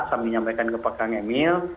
sambil menyampaikan ke pak kang emil